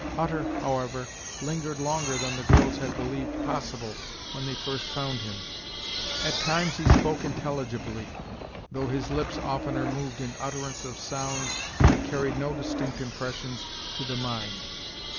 Hutter, however, lingered longer than the girls had believed possible when they first found him. At times he spoke intelligibly, though his lips oftener moved in utterance of sounds that carried no distinct impressions to the mind.